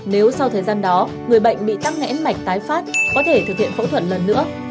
nếu sau thời gian đó người bệnh bị tắc nghẽn mạch tái phát có thể thực hiện phẫu thuật lần nữa